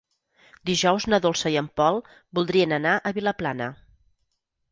Dijous na Dolça i en Pol voldrien anar a Vilaplana.